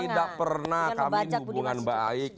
tidak pernah kami hubungan baik